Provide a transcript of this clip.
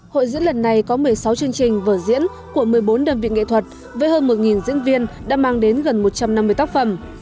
hội diễn lần này có một mươi sáu chương trình vở diễn của một mươi bốn đơn vị nghệ thuật với hơn một diễn viên đã mang đến gần một trăm năm mươi tác phẩm